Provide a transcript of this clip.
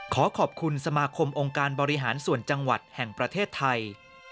ขอขอบคุณสมาคมองค์การบริหารส่วนจังหวัดแห่งประเทศไทย